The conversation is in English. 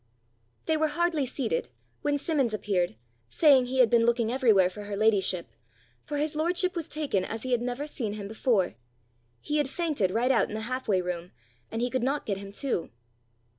They were hardly seated when Simmons appeared, saying he had been looking everywhere for her ladyship, for his lordship was taken as he had never seen him before: he had fainted right out in the half way room, and he could not get him to.